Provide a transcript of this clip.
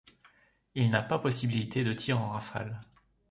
Il n'a pas possibilité de tir en rafales.